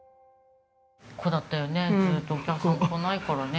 ここだったよねずっとお客さん来ないからね。